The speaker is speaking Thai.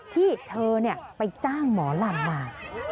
ที่เธอไปจ้างหมอลำมา